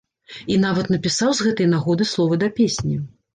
І нават напісаў з гэтай нагоды словы да песні.